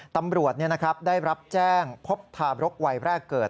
ตำรวจได้รับแจ้งพบทาบรกวัยแรกเกิด